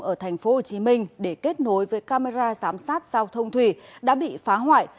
ở tp hcm để kết nối với camera giám sát giao thông thủy đã bị phá hoại